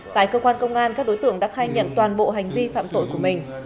tại cơ quan công an các đối tượng đã khai nhận toàn bộ hành vi phạm tội của mình